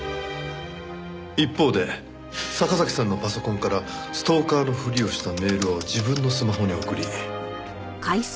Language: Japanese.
一方で坂崎さんのパソコンからストーカーのふりをしたメールを自分のスマホに送り。